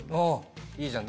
いいじゃん！